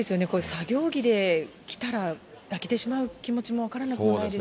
作業着で来たら開けてしまう気持ちも分からなくもないですし。